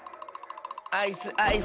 アイスアイス！